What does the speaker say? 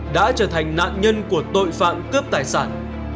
đã trở thành nạn nhân của tội phạm cướp tài sản